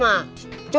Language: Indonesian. masih ada lagi